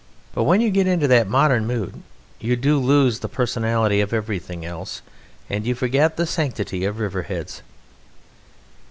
But when you get into that modern mood you do lose the personality of everything else, and you forget the sanctity of river heads.